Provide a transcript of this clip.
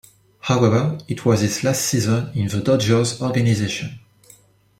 However, it was his last season in the Dodgers organization.